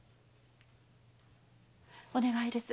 お願いです